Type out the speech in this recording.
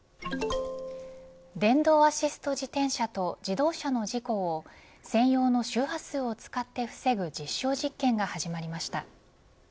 電動アシスト自転車と自動車の事故を専用の周波数を使って防ぐ実証実験が始まりました。